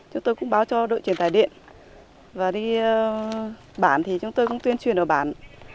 chúng tôi cũng báo cho đội truyền tài điện và đi bản thì chúng tôi cũng tuyên truyền ở bản